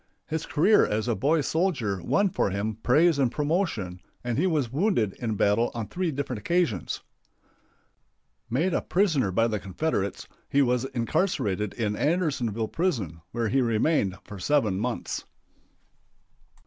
His career as a boy soldier won for him praise and promotion, and he was wounded in battle on three different occasions. Made a prisoner by the Confederates, he was incarcerated in Andersonville prison, where he remained for seven months.